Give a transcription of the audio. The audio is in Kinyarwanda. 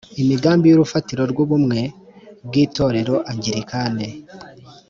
imigambi y urufatiro rw ubumwe bw itorero anglikane